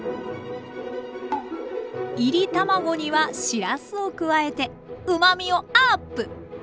いり卵にはしらすを加えてうまみをアップ！